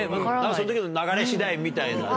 その時の流れ次第みたいなね。